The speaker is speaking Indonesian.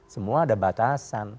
semua ada batasan